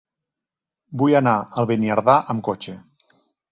Vull anar a Beniardà amb cotxe.